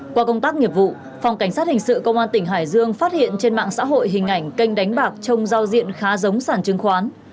qua công tác nghiệp vụ phòng cảnh sát hình sự công an tỉnh hải dương phát hiện trên mạng xã hội hình ảnh kênh đánh bạc trong giao diện khá giống sản chứng khoán